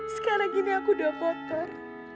sekarang gini aku udah kotor